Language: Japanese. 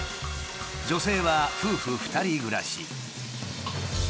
女性は夫婦２人暮らし。